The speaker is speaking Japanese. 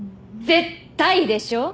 絶対でしょ？